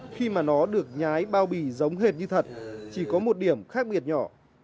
khi mà nó được nhái bao bì giống hệt như thật chỉ có một điểm khác biệt nhỏ